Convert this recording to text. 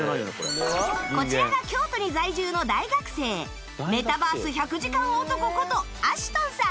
こちらが京都に在住の大学生メタバース１００時間男ことアシュトンさん